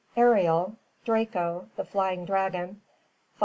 Aerial: Draco, the flying dragon (see Fig.